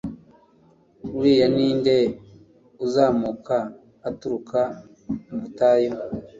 uriya ni nde uzamuka aturuka mu butayu